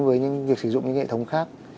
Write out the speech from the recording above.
với những việc sử dụng những hệ thống khác